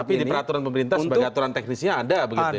tapi di peraturan pemerintah sebagai aturan teknisnya ada